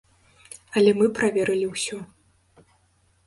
Але мы праверылі ўсё.